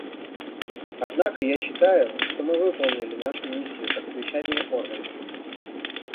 Однако я считаю, что мы выполнили нашу миссию как совещательный орган.